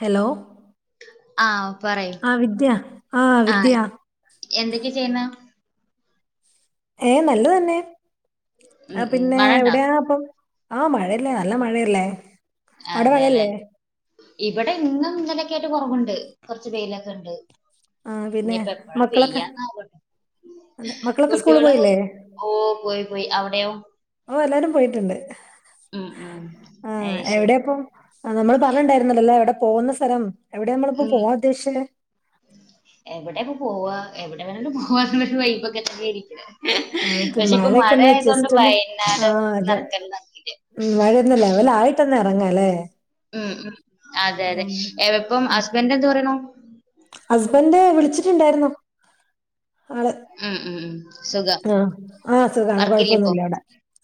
Hello ആഹ് പറയൂ വിദ്യ ആ ആഹ്‌ വിദ്യ എന്തക്കെ ചെയ്യുന്ന ഏഹ് നല്ലതന്നെ ആ ഉം ഉം പിന്നെ മഴണ്ടോ? എവിടയാ അപ്പം ആഹ്‌ മഴല്ലേ നല്ല മഴല്ലേ അതെല്ലെ ഇവിടെ ഇന്നുംന്നലെക്കായിട്ട് കൊറവൂണ്ട് കുറച്ച് വെയിലൊക്കെണ്ട് ആ പിന്നെ ഇനിപ്പ എപ്പഴാ മക്കളൊക്കെ പെയ്യന്നാവോ അതെ മക്കളൊക്കെ സ്കൂളിൽ കുട്ട്യോൾ പോയില്ലേ ഓ പോയി പോയി അവടെയോ ഓഹ് എല്ലാരും പോയിട്ടുണ്ട് ഉം ഉം ആ അയ് ശരി എവിടെയാ ഇപ്പം ആ നമ്മളെ പറഞ്ഞിണ്ടായിരുന്നല്ലല്ലോ എവടെ പോകുന്ന സ്ഥലം എവടെ നമ്മളിപ്പോ പോവാ ഉദ്ദേശിച്ച എവടെപ്പൊ പോവാ എവടെ വേണേലും പോവാ [unintelligible] വൈബൊക്കെ തന്നെ ഇരിക്കണേ ആ നമുക്ക് പക്ഷെ ഇപ്പ മഴയൊക്കെ മഴ ഒന്ന് ആയതൊണ്ട് ജസ്റ്റ് ഒന്ന് ആ വൈന്നേരം അതെ നടക്കണ്ടാവില്ല ഉം മഴയൊന്ന് ലെവൽ ആയിട്ട്ന്നെ ഇറങ്ങല്ലേ ഉം ഉം അതെ അതെ ഇപ്പം ഉം ഹസ്ബൻഡ് എന്തു പറയണു ഹസ്ബൻഡ് വിളിച്ചിട്ടുണ്ടായിരുന്നു ഉം ഉം ഉം സുഖം. ആഹ് സുഖാണ് വർക്കില്ലേ ഇപ്പൊ? കൊഴപ്പൊന്നുല്ല ഇവടെ.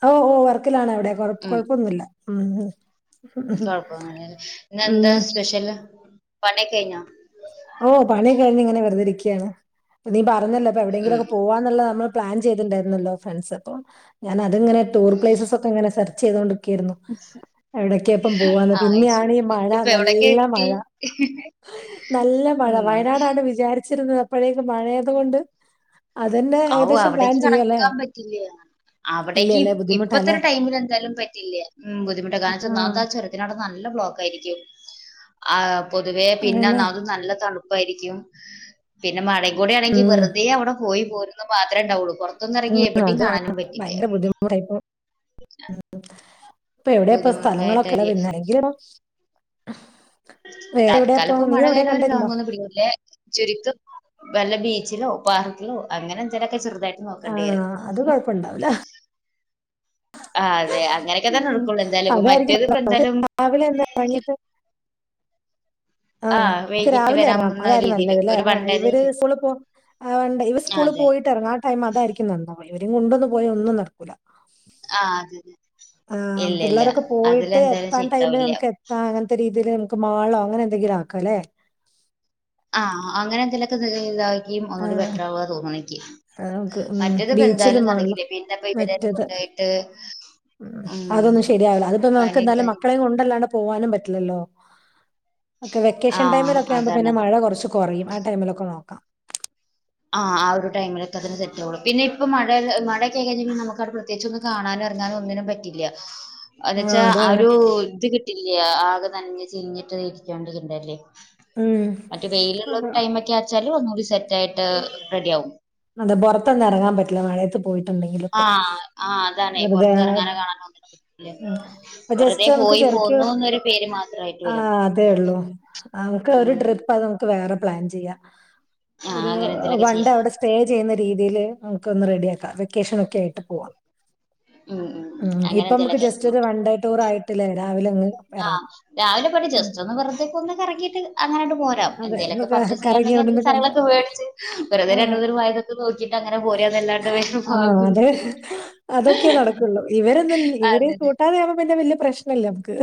ഓഹ് ഓഹ് വർക്കിലാണ് അവടെ കൊ കൊഴപ്പൊന്നുല്ല ഉം ഉം. കൊഴപ്പൊന്നില്ലല്ലേ ഇന്നെന്താ സ്പെഷ്യല് പണിഒക്കെ കയ്ഞ്ഞോ? ഓ പണി കഴിഞ്ഞ്ങ്ങനെ വെർതെ ഇരിക്കാണ് നീ പറഞ്ഞല്ലോ ഇപ്പ ഉം എവിടെങ്കിലുക്കെ പോവാ ന്ന്ള്ള നമ്മൾ പ്ലാൻ ചെയ്തിണ്ടാര്ന്നല്ലോ ഫ്രണ്ട്സ് അപ്പോം. ഞാന ത്ങ്ങനെ ടൂർ പ്ലൈസസൊക്കെ ങ്ങനെ സെർച്ച്‌ ചെയ്തോണ്ട് ക്കേർന്നു എവിടക്കെപ്പം പോവാന്ന് ആഹ് പിന്നെയാണ് അയ്ശരി ഈ മഴ ഇപ്പൊ എവിടൊക്കെ നല്ല മഴ [unintelligible] നല്ല മഴ ഉം വയനാടാണ് വിചാരിച്ചിരുന്നത് അപ്പോഴേക്ക മഴയതുകൊണ്ട് അവു അവടക്ക് ചെയ്യല്ലേ കടക്കാൻ പറ്റില്ല്യേ? അവിടേക്ക് ഇല്ലല്ലേ ഇപ്പത്തെ ബുദ്ധിമുട്ടല്ലേ ഒരു ടൈമിൽ ന്തായാലും പറ്റില്ല. ഉം ബുദ്ധിമുട്ടാ കാരണം ന്താച്ചാ ഒന്നാമത് ആഹ് ആ ചുരത്തിനവ്ടെ നല്ല ബ്ലോക്ക് ആയിരിക്കും. ആഹ് പൊതുവേ പിന്നെന്ന അതല്ലേ അത് നല്ല തണുപ്പായിരിക്കും. പിന്നെ മഴ കൂടെ ആണെങ്കിൽ ഉം വെറുതെ അവിടെ പോയി പോരുണത് മാത്രെണ്ടാവൂ പൊറ ത്തൊന്നും എറങ്ങി എവിടീം കാണാനൊന്നും പറ്റില്ല. [unintelligible] ഉം ഇപ്പ എവിടെ ഇപ്പ സ്ഥലങ്ങളൊക്കെ ല ബുദ്ധിമുട്ടായിട്ടായിരിക്കും വെര്ന്നത് [unintelligible] തൽക്കാലം ഇപ്പ മഴ കഴീണത് വരെ ലോങ്ങൊന്നും പിടിക്കുല്ലേ. ചുരുക്കും വല്ല ബീച്ചിലോ പാർക്കിലോ അങ്ങനെ എന്തേലൊക്കെ ചെറുതായി ആഹ് അത് കൊഴപ്പുണ്ടാവൂല്ല. ആഹ് അതെ അങ്ങനെയൊക്കെ ഉം നടക്കുള്ളൂ എന്തായാലും അതായിരിക്കും മറ്റേത് ഇപ്പൊ എന്തായാലും [inaudible] രാവിലെ എന്താ ആഹ് ഇത് വൈകിട്ട് വരാവുന്ന രാവിലെരണംഅതരിക്കു രീതിയില് നല്ലത് ഒരു വൺഡേ ഇവര് ആയിട്ട് ഫുള്ള് ആഹ് ഇവ സ്കൂള് അതെ പോയിട്ട ഇറങ്ങാ ആ ടൈം അതായിരിക്കു നന്നാവാ ഇവരും കൊണ്ടൊന്ന പോയാ ഒന്നും നടക്കൂല്ല. ആ അതെതെ. ആഹ് പിള്ളേരൊക്കെ പോയിട്ട് എത്താൻ ടൈമിൽ സെറ്റാവില്ല നമക്കെ അങ്ങനത്തെ രീതിയില് നമക്ക് മാളോ അങ്ങനെ എന്തെങ്കിലും ആക്കാംല്ലേ? ആഹ് അങ്ങനെ എന്തേലൊക്കെതവുകി ആ ഒന്നുകൂടി ബെറ്റർ ആവാ തോന്നണു ഇക്ക്. അത് നമുക്ക് ഉം മറ്റേത്പ്പോ ബീച്ചിലും എന്തായാലും മാളിലും നടകില്ല പിന്നെപ്പോ ഇവരെ മറ്റേത് കൊണ്ടുപോയിട്ട് ഉം അതൊന്നും ശരിയാവില്ല അതിപ്പോ നമുക്ക് എന്തായാലും കാര്യ മക്കളെയും കൊണ്ടല്ലാതെ പോവാനും പറ്റില്ലല്ലോ ക്കെ ആ വെക്കേഷൻ ടൈമിലൊക്കെ ആവുമ്പോ പിന്നെ അതാണ് മഴ കൊറച്ച് കൊറയും ആ ടൈമിലൊക്കെ നോക്കാം. ആഹ് ആ ഒരു ടൈമിലക്കെ സെറ്റ് ആവുള്ളൂ പിന്നെ ഇപ്പൊ മഴ മഴൊക്കെ ആയി കഴിഞ്ഞ നമുക്കവിടെ പ്രത്യേകിച്ച് ഒന്നിനും കാണാനും ഏറങ്ങാനും ഒന്നിനും പറ്റില്ല്യാ. ത് വെച്ചാ ആ ഒരു ഇത് കിട്ടില്ല ആകെ നനഞ്ഞ് ചിരിഞ്ഞിട്ട് ഇരിക്കണ്ടത്ണ്ടല്ലേ. ഉം അത് വെയിലുള്ളൊരു അതെ ടൈമൊക്കെ ആച്ചാൽ ഒന്നൂടി സെറ്റ് ആയിട്ട് റെഡി ആകും. അതെ പുറത്തൊന്നും എറങ്ങാൻ പറ്റില്ല മഴയത്ത് പോയി ഇണ്ടെങ്കിലിപ്പോ ആഹ് ആഹ് അതാണേ വെറുതെ പൊറത്തിറങ്ങാനോ കാണാനോ ഒന്നിനും പറ്റില്ല ജസ്റ്റ് വെറുതെ നമക്ക് പോയി ചെറിക്ക്യോ പോന്നൂന്നൊരു പേര് മാത്രായിട്ട് വരും ആഹ് അതേ ഉള്ളൂ അമക്ക് ഒരു ഉം ട്രിപ്പ് അത് നമുക്ക് വേറെ പ്ലാൻ ചെയ്യാം. ആഹ് ഒരു അങ്ങനെ എന്തേലൊക്കെ വൺണ്ടേ ചെയ്യാം അവിടെ സ്റ്റേ ചെയ്യുന്ന രീതിയിൽ നമുക്ക് ഒന്ന് റെഡി ആക്കാം വെക്കേഷൻ ഒക്കെ ആയി പൂവാം ഉം ഉം അങ്ങനെ ഇപ്പൊങ്ങ് നമക്ക് എന്തേലൊക്കെ ആയിട്ട് ജസ്റ്റ് നോക്കി വൺ ഡേ ടൂർ ആയിട്ടില്ലേ രാവിലെ അങ്ങ്. ആഹ് ഇറങ്ങാം രാവിലെ പോയിട്ട് ഉം ജസ്റ്റ് ഒന്ന് വെറുതേക്കെ ഒന്ന് കറങ്ങിയിട്ട് അങ്ങനെട് പോരാം, അതെ ഒന്ന് എന്തേലൊക്കെ ക- പർച്ചേസ് കറങ്ങി ചെയ്യാെണ്ടങ്കി എന്തേലും അവിടുന്ന് കണ്ട് സാധനങ്ങളൊക്കെ മേടിച്ച് വെുതെ ആ രണ്ട്മൂന്ന് പേരെ വായി നോക്കിട്ട് അങ്ങനെ പോരന്നല്ലാണ്ട് വേറെ ആഹ് മാർഗം അത് ഒന്നൂല്ല അതേ. കൂട്ടാതേ വുമ്പോ പിന്നെ വലിയ പ്രശ്നമല്ല നമക്ക്.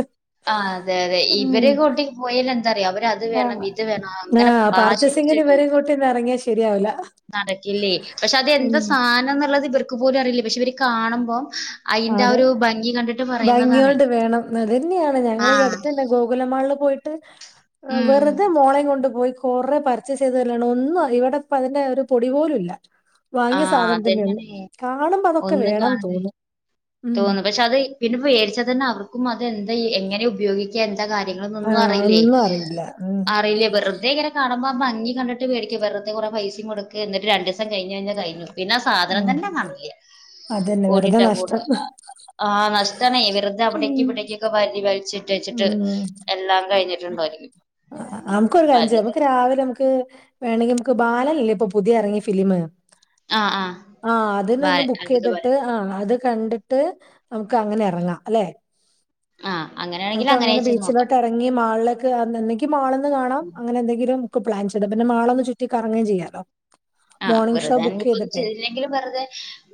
ആഹ് അതെ അതെ ഇവര് കൂട്ടി പോയൽ എന്താറിയോ അവര് അ അത് വേണം ആഹ് ഇത് വേണം അങ്ങനെ ആഹ് വാശി പർച്ചേസിങ്ങിന് പിടിച്ചിട്ട് ഇവരെ കൂട്ടിയൊന്നും എറങ്ങിയാ ശരിയാവൂല. നടക്കില്ലേ, പക്ഷെ അതെന്താ ഉം സാധനം എന്നുള്ളത് ഇവർക്ക് പോലും അറിയില്ല പക്ഷെ ഇവര് കാണുമ്പോ അയിന്റെ ആ അതെ ഒരു ഭംഗി കണ്ടിട്ട് പറയുന്നതാണേ. ഭംഗിയോണ്ട് വേണം അതന്നെയാണ് ഞങ്ങളി ഈ ആഹ് അടുത്ത് തന്നെ ഗോകുലമാളില് പോയിട്ട് ഉം വെറുത് മോളയും കൊണ്ട് പോയി കൊറെ പർച്ചേസ് ചെയ്തുന്നല്ലാണ്ട് ഒന്നും ഇവിടെപ്പൊ അതിന്റെ ഒരു പൊടി പോലുംല്ല വാങ്ങിയ ആഹ് സാധനത്തിന്റെയൊന്നും അതന്നെയാണ് കാണുമ്പോ അതൊക്കെ ഒന്ന് വേണംന്ന് കാണല് തോന്നും ഉം തോന്നും പക്ഷെ അത് പിന്നെ വേടിച്ചത് തന്നെ അവർക്കും അത് എന്താ എങ്ങനെ ഉപയോഗിക്ക എന്താ കാര്യങ്ങള് ഒന്നും ആഹ് അറിയില്ലേ ഒന്നും അറിയില്ല. ഉം അറിയില്ലേ വെറുതെ കാണുമ്പോ ആ ഭംഗി കണ്ടിട്ട് വേടിക്കാ, വെറുതെ കുറെ പൈസയും കൊടുക്ക എന്നിട്ട് രണ്ട ദിവസം കയിഞ്ഞ് കഴിഞ്ഞ കഴിഞ്ഞു പിന്നെ സാധനം ഉം തന്നെ കാണില്ല അതന്നെ വെറുതെ നഷ്ടം. [unintelligible] ആ നഷ്ട്ടാണെയ് വെറുതെ അവിടേക്ക് ഉം ഇവിടേക്കൊക്കെ വലിച്ചിട്ട് ച്ചിട്ട് ഉം എല്ലാം കഴിഞ്ഞിട്ടുണ്ടായിരിക്കും ആഹ് നമുക്കൊരു അപ്പൊ കാര്യം ചെയ്യാം അതൊക്കെ നമക്ക് രാവിലെ നമുക്ക് വേണങ്കിൽ നമുക്ക് ബാലനില്ലെ ഇപ്പൊ പുതിയ ഇറങ്ങിയ ഫിലിം ആ ബാ അതിനൊന്ന് ബുക്ക് അത്ഭുത ബാല ചെയ്തിട്ട് ആ അത് കണ്ടിട്ട് ട്ട് അത് നമുക്ക് അങ്ങനെ ഇറങ്ങാം അല്ലെ ആഹ് അങ്ങനെ നങ്ങക്ക് അങ്ങനെ വെച്ച് നോക്കാം ബീച്ചിലോട്ട് ഇറങ്ങി മാളിലേക്ക് എന്തെക്കും മാളന്ന് കാണാം അങ്ങനെ എന്തെങ്കിലും പ്ലാൻ ചെയ്ത പിന്നെ മാളൊന്ന് ചുറ്റി കറങേൻ ചെയ്യാലോ മോർണിംഗ് ഷോ ബുക്ക് ചെയ്തിട്ടേ ങ്കിലും വെറുതെ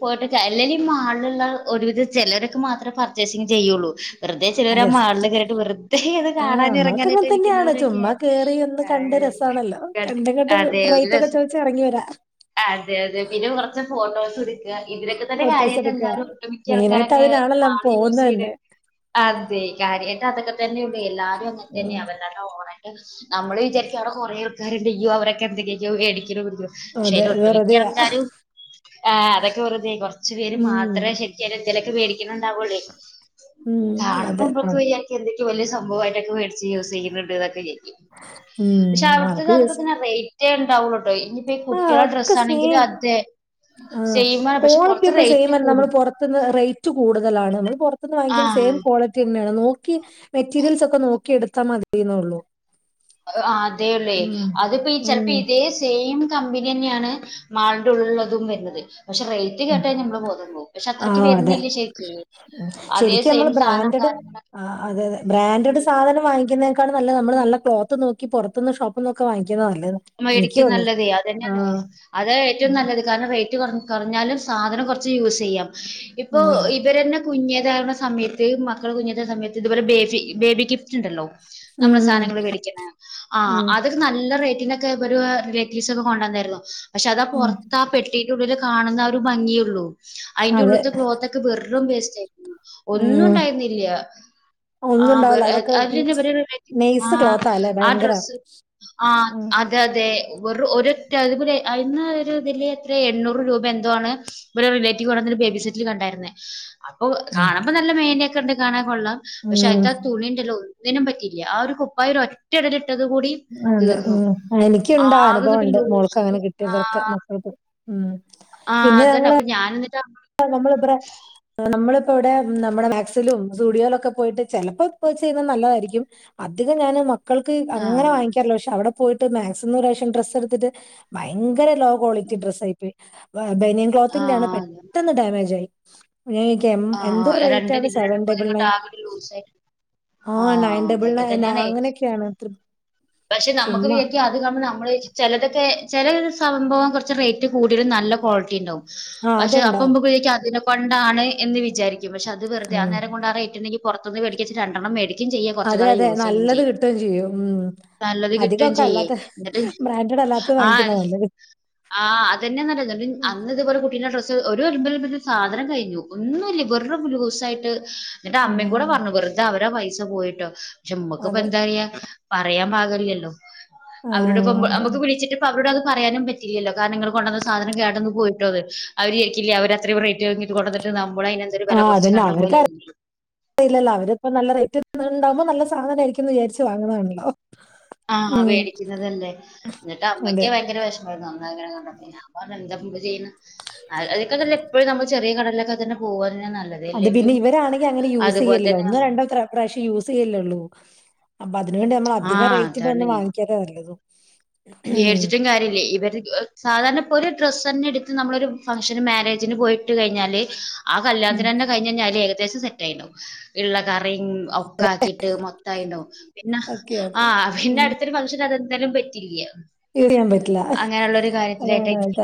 പോയിട്ട അല്ലേ ഈ മാളിലുള്ള ഒരുവിധ ചിലരൊക്കെ മാത്രമേ പർച്ചേസിങ്ങ് ചെയ്യുള്ളൂ വെറുതെ ചിലവർ ആ മാളില് കയറിയിട്ട് വെറുതെ അത് ആഹ് കാണാനൻ നമ്മളൊക്കെ ഇറങ്ങാനായിട്ട് അങ്ങനെ ഇരിക്കുന്നവരൊക്കെയായി ആ ആണല്ലോ കണ്ടങ്ങെട്ട് റേറ്റ് ഒക്കെ ചോദിച്ച് ഇറങ്ങി വരാം അതെ അതെ പിന്നെ കുറച്ച് ഫോട്ടോസ് ഇതിനലൊക്കെ തന്നെ ഫോട്ടോസ് കാര്യമായിട്ട് എടുക്കുക എല്ലാരും ഒട്ടുമിക്കി മെയിനായിട്ട് ആൾക്കാരൊക്കെ അതിനാണല്ലോ മാള യൂസ് പോകുന്നത് ചെയ്ത് തന്നെ അതെ കാര്യമായിട്ട് അതൊക്കെ തന്നെയ ഉണ്ട് എല്ലാരും അങ്ങനെ തന്നെയ ഉം അവല്ലാ ഓ നമ്മള് വിചാരിക്കാ അവടെ കൊറെേ ആൾക്കാരുണ്ട്യോ അവരൊക്കെ എന്തൊക്കെയൊക്കെയോ മേടിക്കോടിക്കോ പക്ഷെ അ അതെ ഒട്ടുമിക്കിയ വെറുതെ ആൾക്കാരും അതൊക്കെ വെറുതായി കുറച്ചു പേര് ഉം മാത്രമേ ശരി ചില എന്തേലുമൊക്കെ മേടിക്കുന്നണ്ടാവലേ ഉം അതെ ആ, കാണുമ്പോുമ്പൊക്കെ വ്യൽ എന്തൊക്ക വല്യ സംഭവമായിട്ടൊെ യൂസ് ചെയുന്നുണ്ട് ഇതൊക്കെ ചെയും പക്ഷെ ഉം അവിടത്ത അത് അതുപോലെ തന്നെ റേറ്റ് ഉണ്ടാവുള്ളൂ കേട്ടോ ഇനി പ്പഈ ആ കുട്ട്യാള ഒക്കെ ഡ്രസ്സ് ആണെങ്കില് സെയിം അതെ ആ സെയിമാണ് പക്ഷെ ക്വാളിറ്റി കൊറച്ച് ഒക്കെ സെയിം റേറ്റ് അല്ല നമ്മൾ കൂടും. പുറത്തന്ന് റേറ്റ് കൂടുതലാണ് നമ്മൾ അ വാങ്ങിക്കന്നാ സെയി ആഹ് ക്വാളറ്റി ന്നെയ നോക്കി മെറ്റീരിയൽസ് ഒക്കെ നോക്കി എടുത്താൽ മതിയേള്ളൂ ആ അതെയല്ലേ അതിപ്പോ ഈ ഉം ചെലപ്പോ ഇതേ സെയിം കമ്പനിയന്നെയാണ് മാളിന്റെ ഉള്ളള്ളതും വരുന്നത് പക്ഷെ റ ഉം. കേട്ട നമ്മളെ ബോധം പോകു പോ പക്ഷെ ആ അത്രയ്ക്ക് അതെ വരുന്നില്ല ശരിക്ക ഉം. അതേ ശരിക്കും സെയിം നമ്മള് സാധനം ബ്രാൻഡഡ് കാര്യങ്ങളൊെ ആ അതെതെ ബ്രാൻഡട് സാധനം വാങ്ങുന്നതിനക്കാ നല്ല നള് നല്ല ക്ലോത്ത് നോക്കി പുറത്തുന്നു ഷോപ്പ് ഒന്നൊക്കെ വാങ്ങിക്കതല്ല രിക്കും നല്ലത് അത് തന്നെയന്നെ അത് ഏറ്റവും ഉം നല്ലത് കാരണം റേറ്റ് കൊറഞ്ഞാലും സാധനം കുറച്ച് യൂസ് ചെയ്യാം ഇപ്പൊ ഉം അതെ ഇവരന്നെ കുഞ്ഞ തരണ സമയത്ത് മക്കൾ കുഞ്ഞേത്ത സമയത്ത് ഇതുപോലെ ബേബി ബേബി ഗിഫ്റ്റ്ണ്ടല്ലോ ഉം നമ്മളെ സാധനങ്ങള്ൾ വേടികണെ ആ ഉം അതൊക്കെ നല്ല റേറ്റി ആആ ഇവ് റിലേറ്റീവ്സ് ഒക്ക കൊണ്ടുവന്നായിരുന്നു പക്ഷെ അതാ ഉം പുറത്തെ ആ പെട്ടി കുട്ടീട്ട ഉള്ളിൽ കാണുന്ന ആ ഒരു ഭംഗിയുള്ളൂ അതിന്റെറെ അതെ ഉള്ളിലത്തെ ക്ലോത്ത ഒക്കെ വെറും വേസ്റ്റ് ആായിുന്നു ഉം ഒന്നുംണ്ടായിരുന്നില്ല ഒന്നും ആേ ഉണ്ടാവില്ല അതൊക്കെ അതി ആ നൈസ് ക്ലോത്താ അല്ലേ ആ ഭയങ്കര ഡ്രസ്സ് ആഹ് ഉം അത അത അതെ ഒരു അതുപോലെ അ ഇതില് എത്ര എണ്ണൂറ് രൂപ എന്തോണ് ഇ റിലേറ്റീവ്വി ഒരു ബേബി സെറ്റിൽ കണ്ടായിരുന്നേ അപ്പൊ ഉം. കാണുമ്പ നല്ല മേനയൊക്കെ ഉണ്ട് കാണാൻ കൊള്ളാം പക്ഷെ ഉം. അയത്ത ആ തുണിണ്ടല്ലോ ഒതിനും പറ്റിയില്ല ആ ഒരു കുപ്പായ ഒരു ഒറ്റടല ഇട്ടത് കൂടി അതെ തീർന്നു ഉം എനിക്കുണ്ട ആകെ അങ്ങട്ട് അനുഭവംണ്ട് മോൾക്ക് അങ്ങനെ ലൂസിട്ട് കിട്ടിയതൊക്കെ ആഹ് മക്കൾക്ക് ഉം ആഹ് പിന്നെ അതന്നെ ഞങ്ങള് അപ്പൊ ഞാൻ എന്നിട്ട് ആഹ് നമ്മള് ബേ നമ്മളിപ്പോ ഇവിടെ നമ്മുടെ മാക്സിലും സ്റ്റുഡിയോയിലൊക്കെ പോയിട്ട് ചിലപ്പോ പോയി ചെയ്യ നല്ലതായിരിക്കും അധികം ഞാന് മക്കൾക്ക് അങ്ങനെ ആഹ് വാങ്ങിക്കാറല്ലോ പക്ഷെ അവിടെ പോയിട്ട് മാക്സിമം ഒരുാവശ്യം ഡ്രസ്സ് എടുത്തിട്ട് ഭയങ്കര ലോ ക്വാളിറ്റി ഡ്രസ്സ് ആയിപ്പോയി ബനിയൻ ക്ലോത്തിന്റ ആണ് പെട്ടന്ന ആഹ് പെട്ടെന്ന് ഡാമേജ് ആയി കെ എം ആഹ് എന്തൊരു റേറ്റ് രണ്ട് ആണോ രണ്ട് സെവൻ മൂന്ന് ഡബിൾ ഇങ്ങോട്ട് നയൻ ആകെ ലൂസായിട്ട് ആഹ് നയൻ ടബിൾ അതൊക്കെ നയൻ തന്നെയാണ് അങ്ങനെയൊക്കെയ ആണ് ഇത്ര പക്ഷെ നമുക്ക് ഉപയോഗിക്കാൻ അത അത് കാണുമ്പോ നമ്മൾ ചിലതൊക്കെ ചില സംഭവം കുറച്ച് റേറ്റ് കൂടുതലും നല്ല ക്വാളിറ്റി ഉണ്ടാാവും ആഹ് പക്ഷെ അതുണ്ടാവും അപ്പമ്പ കുഴക്കും അതിനെ കൊണ്ടാണ് എന്ന് വിചാരിക്കും പക്ഷെ അത് വെറുതെ ആഹ് ഉം നേരംആഹ് റേറ്റിനു കിട്ടൂല പുറത്തുന്ന് മേടിക്ക രണ്ടെണ്ണം മേടിക്കയും ചെയ്യാ കൊറച്ച അതെ കാലം അതെ യൂസ് ചെയ്യയും നല്ലത് ചെയ്യ. കിട്ടുകയും ചെയ്യും ഉം നല്ലത് കിട്ടുകയും അധികമൊക്കെ ചെയ്യേ അല്ലാത്ത എന്നിട്ട് ബ്രാൻഡഡ് അല്ലാത്തത് ആഹ് വാങ്ങിക്കുന്ന നല്ലത് ആഹ് അതന്ന നല്ല ഉം അന്ന് ഇതുപല കുട്ടീന്റെ ഡ്ര. ഓരോരുമ്പലും സാധനം കഴിഞ്ഞു ഒന്നുമ ഇല്ല വെറരുഹൂസായിട്ട്. എന്റെ അമ്മയും കൂടെ ഉം. പറഞ്ഞു വെറുത അവരെ പൈസ പോയിട്ടോ പക്ഷെ നമ്മക്കിപ്പ അതെ എന്താ പറയാ. പറയാൻ പാകില്ലല്ലോ ആഹ് അവരോടപ്പ നമുക്ക് അതാണ് വിളിച്ചിട്ടപ്പ അവരോട് അത് പറയാനും പറ്റ. ഇല്ലല്ലോ കാരണംങ്ങങ്ങള് കൊണ്ടുവന്ന സാനം കേട്ടന്നന്ന് പോയിട്ടോ അഹ് അവര്രിക്കില്ല അവര് അത്രയും റേറ്റ് വങ്ങിട്ട് കൊ. നമ്മളതിനെ ആഹ് അതന്നാ അവര്ക്ക്. അറിയില്ലല്ല അവര്പ്പ നല്ല റേറ്റ് ഉണ്ടാവുമ്പോ നല്ല സാധനം ആയിരിക്കുംന്ന് വിചാരിച്ച് വാങ്ങതാണല്ലോ. ആഹ് മേടിക്കുന്നതല്ലേ എന്നിട്ട് അതെ അമ്മക്ക് ഭയങ്കര വിഷ. നന്നങ്ങനെ കണ്ട പിന്നെ എന്താ ചെയ്യ. അഹ് അതൊക്കെ നല്ല എപ്പോഴും നമ്മൾ ചെറിയ കടയിലൊക്കെ തന്നെ പോകവാ നല്ലത് അത് പിന്നെ അല്ലെങ്കിൽ ഇവരാണെങ്കിൽ അങ്ങനെ അതുപോലെ യൂസ്ചെയ്യലല്ലോ തന്നെ ഒന്നും രണ്ടോത്രം. പ്രാവശ്യം യൂസ് ചെയ്യല്ലേള്ളൂ അപ്പൊ അതിനുവേണ്ടി നമ്മൾ ആ അധികം റേറ്റിന ഒന്ന് വാങ്ങിക്കാതേ നല്ലത്. ഉം വിേടിച്ചിട്ടും കാര്യമില്ലേ ഇവര് ആഹ്. സാധാരണ ഇപ്പോ ഒരു ഡ്രസ്സ് തന്നെ എടുത്ത് നമ്മളൊരു ഫംഗഷന് മാരേജിന് പോയിട്ട് കഴിഞ്ഞാല്. ആഹ് ഉം കല്യാത്തിന് തന്നെ കഴിഞ്ഞഞ് കഴിഞ്ഞാല് ഏകദേശം സെറ്റയിണാവും ഇള്ള കറയും. ഒക്ക ആക്കിട്ട് മൊത്തമായിണ്ടകും പിന്നെ ഓക്കെ ആക്കും ആഹ് പിന്നെ ഉം അടു. [unintelligible] ഫംഗ്ഷൻ അതെന്തായാലും പറ്റില്ലേ. എഴിയാൻ പറ്റില്ല. അങ്ങനെയുള്ള ഒരു കാര്യത്തിലായിട്ട അതാണ് അത ഇരിക്കും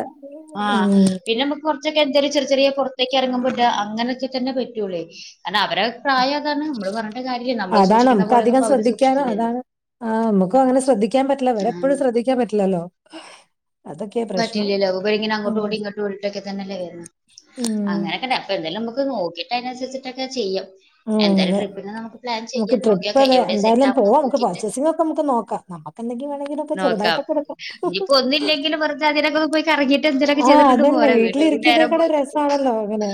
ആഹ് ഉം പിന്നെ. കുറച്ചൊക്കെ എന്താലും ചെറ ചെറിയ പുറത്തൊക്കെ ഇറങ്ങുമ്പോറ്റ അങ്ങനൊക്കെ തന്നെ പറ്റൂള്ളേ കാരണം അവരെ പ്രായം. അതാണ് നമ്മള് പറഞ്ഞട്ട കാര്യല്ല നമ്മള് സൂക്ഷിക്കുന്ന പോലൊന്ന ഇപ്പോ അവര് സൂക്ഷിക്കില്ലല്ലോ. ആഹ് നമുക്കും അങ്ങനെ ശ്രദ്ധിക്കാൻ പറ്റില്ല ആ വരെപ്പോഴും ശ്രദ്ധിക്കാൻ പറ്റില്ലല്ലോ. അതൊക്കെയാ പ്രശ്നം പറ്റില്ലല്ലോ ലോക ഇങ്ങനെ അങ്ങോട്ടും ഉം ഓടി ഇങ്ങോട്ടും പോട്ടൊക്കെ തന്നെല്ലേ വരുന്നു ഉം അങ്ങനൊക്കെ. അപ്പ എന്തായാലും നമുക്ക് നോക്കിട്ട് അതിനുരിച്ചിട്ടൊക്കെ ചെയ്യാം. ഉം എന്തായാലും അതെ ട്രിപ്പിന് നമുക്ക് പ്ലാൻ നമുക്ക് ചെയ്യാം ട്രിപ്പ് നോക്കിയോക്കെ അതെ എവിടെ സെറ്റ് എന്തായാലും പോവാം ആവുന്നന്ന് നമുക്ക് നോക്കിട്ട്. പർച്ചേസിംഗ് ഒക്കെ നമുക്ക് നോക്കാം നമുക്ക് എന്തെങ്കിലും വേണമെങ്കിലൊക്കെ നോക്കാം ചെറുതായിട്ടൊക്കെ എടുക്കാം ഇനിപ്പോ ഒന്നില്ലെങ്കിലും വെറുതെതി. [unintelligible] പോയി കറങ്ങിട്ട് എന്തെലൊക്കെ ആ ചെയ്തിട്ടിണ്ട് അതന്നെ പോരാ വീട ഒരു നേരം വീട്ടിലിരിക്കുന്നേക്കാളും പോയി. [unintelligible] രസാണല്ലോ അങ്ങനെ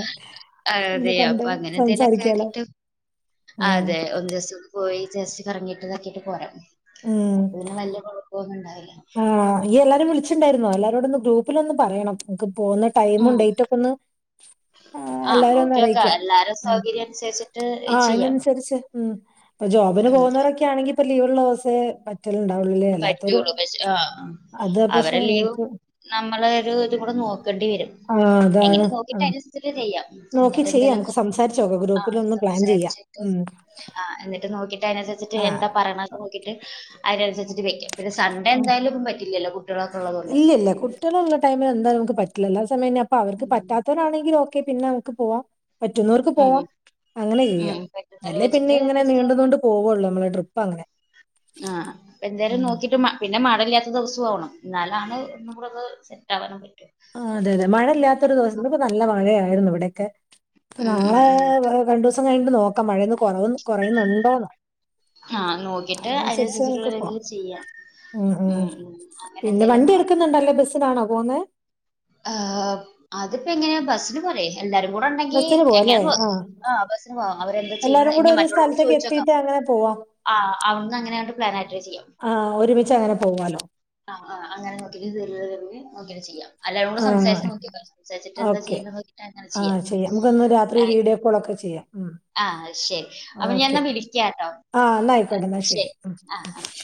ആഹ് ഒന്ന് അതെ കണ്ട് അപ്പൊ അങ്ങനെന്തേലുംക്കെ സംസാരിക്കാലോ ആക്കിയിട്ട്. ഉം അതെ ഒന്ന് ദിവസം പോയി ചസ്റ്റ് കറങ്ങിട്ട്തൊാക്കിട്ട് പോരാം. ഉം അപ്പൊ പിന്നെ വലിയ കുഴപ്പൊന്നും ഇണ്ടായില്ല. ആഹ് ഈ എല്ലാരും വിളിച്ചുണ്ടായിരുന്നോ എല്ലാരോട ഒന്ന് ഗൂപ്പിലൊ ഒന്ന് പറയണം നക്ക് പോട്ട്. ഉം ടൈമുണ്ട്റ്റ ഒക്കെ ഒന്ന് എല്ലാരും ഒന്ന് അറിയിക്ക. ശരി ശരി ആഹ് അതിനനുസരിച്ച് ഉം ഇപ്പ ജോബിന് ഉം പോകുന്നവരൊക്കെ ആണെങ്കി ഇപ്പൊ ലീവ് ഉള്ള ദിവസ. [unintelligible] ണ്ടാവുള്ളല്ലേ അല്ലാത്തൊരു പറ്റുള്ളൂ പക്ഷെ അത് പക്ഷെ നമക്ക്. നമ്മളെരുത്കൂടെ നോക്കണ്ടിവരും ആഹ് എങ്ങനെ അതാണ് നോക്കിട്ട് ഉം അയ്നൻസരിച്ച്ട്ട് ചെയ്യാം. നോക്കി എന്നിട്ട് ചെയ്യാമ്ക്ക് എന്തേലൊക്കെ സംസാരിചോക്കാ ഗ്രൂപ്പിലൊന്ന് പ്ലാൻ ചെയ്യ ഉം. ആഹ് എന്നിട്ട് നോക്കി പേനൻസര്ച്ചിട്ട് ആഹ് എന്താ പറണ്ക് നോക്കിറ്റ് അയ്നൻസര്ച്ചിട്ട് വെക്യാം പിന്ന സൺഡേന്തായാലും പറ്റില്യല്ലോ ഇല്യല്ല കുട്ടേള് ള്ള ടൈമില് എന്താലു മ്ക്ക് പറ്റ്ലല്ലോ ല്ലസമയന്നെ അപ്പ അവർക്ക് പറ്റാത്തവരാണെങ്കി പോ ക്കെപിന്നെംക്ക് പോവാം പറ്റൂന്നോർക്ക് ഉം പോവാം. അങ്ങനെ ചിയ്യാം ഉം പറ്റുന്നത് വെച്ചിട്ട് അല്ലേപിന്നെങ്ങനെ വെച്ചിട്ട് നീണ്ട്നീണ്ട് പോവുള്ളുമ്മളെ ട്രിപ്പ ങ്ങനെ ആഹ് അപ്പ എന്തായാലും നോക്കിട്ട് മ പിന്നെ മഴല്യാത്ത ദ്‌വ്സ്വാവണം എന്നാലാണ് ഒന്നും കൂടെത് സെറ്റാ വാനും പറ്റ്യാ. ആഹ് അതെ അതെ മഴല്യാത്തൊരു ദിവസ് ഇന്ന്പ്പൊനല്ല മഴരെ യായിരുന്നുവ്ടക്കെ. ഉം നാളെ ഉം ഉം പറ്യരണ്ടുസം കഴിഞ്ഞ്ട്ട് നോക്കാം മഴെന്ന് കൊറവ് കൊറയുന്നുണ്ടോ ന്നോ ആഹ് നോക്കിട്ട് അയ്നൻസര്ച്ചിട്ട്ള്ളത് പോവാം മ്ക്ക് ചിയ്യാ ഉം ഉം പിന്നെ വണ്ടി നോക്കാം എട്ക്ക്ന്ന്ണ്ടല്ലേ ബസ്സിനാണോ പോന്നേ ആഹ് അതിപ്പെങ്ങനെയാ ബസ്സിന് പോരേ എല്ലാരും കൂടൊണ്ടെങ്കീ ബസ്സിന് പോവല്ലേ എങ്ങനെപ്പൊ ആ ആഹ് ബസ്സ്ന് പോവ അവരെന്ത ചെയ്യ്ണ് എല്ലാരും കൂടെ ഇനി ഒരു മറ്റുള്ളോരോട് സ്ഥലത്തേക്ക് ചോയിച്ചോക്കാ എത്തിയിട്ട് അങ്ങനെ പോവാം ആഹ് അവ്ട്ന്നങ്ങനെ അങ്ങട് പ്ലാരായിട്ട്ര് ചിയ്യാ ആ ഒരുമിച്ച് അങ്ങനെ പോവാലോ ആഹ് ആഹ് അങ്ങനെ നോക്കീറ്റ് [unintelligible] നോക്കീറ്റ് ചിയ്യാ അല്ലാരോടും സംസാരിച്ച് ആ നോക്കിയോക്ക് സംസാരിച്ചിട്ടെന്താ ഓക്കെ ചെയ്ണ് നോക്കീട്ടങ്ങനെ ചിയ്യാ ഹായ് ചിയ്യാം ഉം ഞാൻ ഓക്കെ എന്നാ വിളിക്കാട്ടോ ആഹ് ആ, ന്നയ്ക്കോട്ടെന്നാ ശരി ആഹ് ഉം